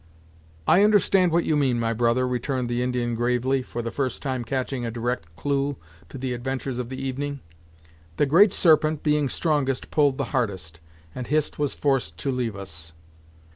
"I understand what you mean, my brother," returned the Indian gravely, for the first time catching a direct clue to the adventures of the evening. "The Great Serpent, being strongest, pulled the hardest, and Hist was forced to leave us."